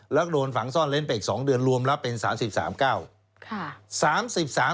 แล้วโดนฝังซ่อนเล้นไปอีก๒เดือนรวมแล้วเป็น๓๓๙